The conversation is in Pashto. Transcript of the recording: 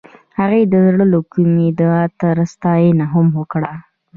هغې د زړه له کومې د عطر ستاینه هم وکړه.